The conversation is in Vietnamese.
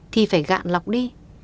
thì phải gạn lọc đi